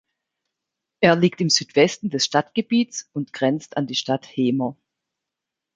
Er liegt im Südwesten des Stadtgebiets und grenzt an die Stadt Hemer.